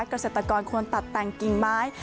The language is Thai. เกษตรกรควรตัดแต่งกิ่งไม้